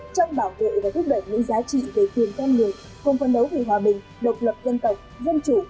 trong bảo vệ và thúc đẩy những giá trị về quyền con người công phân đấu về hòa bình độc lập dân tộc dân chủ